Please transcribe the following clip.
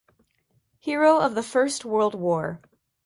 Hero of the First World War.